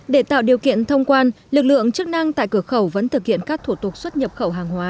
để tạo điều kiện thông quan lực lượng chức năng tại cửa khẩu vẫn thực hiện các thủ tục xuất nhập khẩu hàng hóa